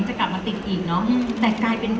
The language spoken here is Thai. ชอบพริกทางต่อนไหร่คะชอบ